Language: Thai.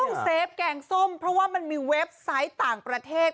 เฟฟแกงส้มเพราะว่ามันมีเว็บไซต์ต่างประเทศ